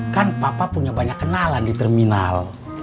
kan papa punya banyak kenalan di terminal